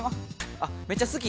あめっちゃ好き？